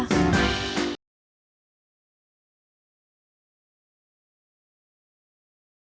pilihlah bahan yang sealami mungkin